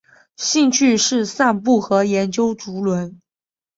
兴趣是散步与研究竹轮。